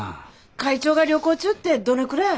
会長が旅行中ってどのくらい？